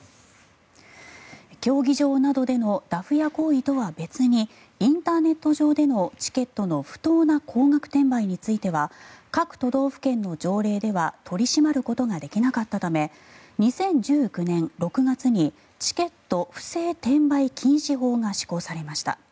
競技場などでのダフ屋行為とは別にインターネット上でのチケットの不当な高額転売については各都道府県の条例では取り締まることができなかったため２０１９年６月にチケット不正転売禁止法が施行されました。